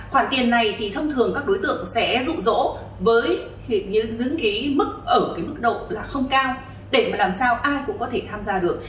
khoản tiền này thì thông thường các đối tượng sẽ rụng rỗ với những mức ở mức độ không cao để làm sao ai cũng có thể tham gia được